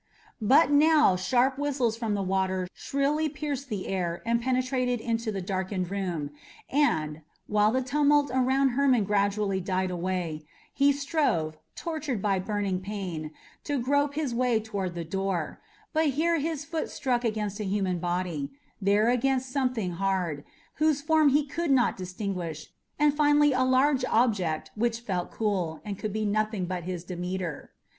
But now sharp whistles from the water shrilly pierced the air and penetrated into the darkened room, and, while the tumult around Hermon gradually died away, he strove, tortured by burning pain, to grope his way toward the door; but here his foot struck against a human body, there against something hard, whose form he could not distinguish, and finally a large object which felt cool, and could be nothing but his Demeter.